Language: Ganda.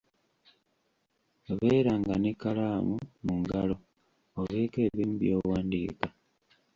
Beeranga n'ekkalamu mu ngalo, obeeko ebimu by'owandika.